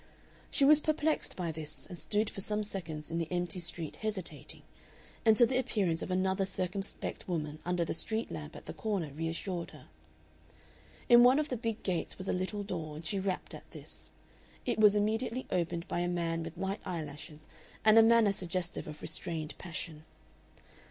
She was perplexed by this, and stood for some seconds in the empty street hesitating, until the appearance of another circumspect woman under the street lamp at the corner reassured her. In one of the big gates was a little door, and she rapped at this. It was immediately opened by a man with light eyelashes and a manner suggestive of restrained passion.